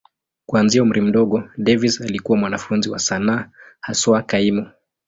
Kuanzia umri mdogo, Davis alikuwa mwanafunzi wa sanaa, haswa kaimu.